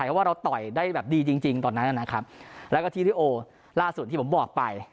เพราะว่าเราต่อยได้แบบดีจริงจริงตอนนั้นนะครับแล้วก็ที่ริโอล่าสุดที่ผมบอกไป